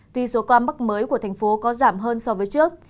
tuy số ca mắc mới của tp hcm có giảm hơn so với trước